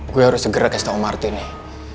gue harus segera kasih tau martin nih